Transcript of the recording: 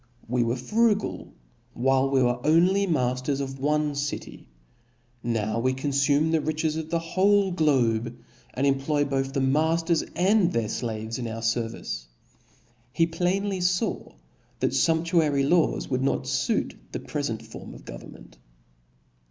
IFe were ]\h, z.' ^^ frugal, while we were only majiers of one city y " now we confume the riches of the whole zlohe^ and " empky both the mafters and their Jlaves in our fer^ ^^vice*\ He plainly faw, that fumptuary laws would not fuit the prefent form of government.